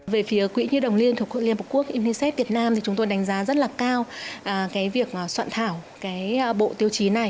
về phía quỹ nhi đồng liên hợp quốc unicef việt nam thì chúng tôi đánh giá rất là cao cái việc soạn thảo cái bộ tiêu chí này